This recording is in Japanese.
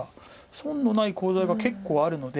損のないコウ材が結構あるので。